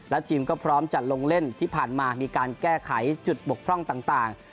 และทีมก็พร้อมจะลงเล่นที่ผ่านมามีการแก้ไขจุดบกพร่องต่าง